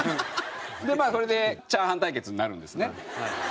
まあそれでチャーハン対決になるんですね。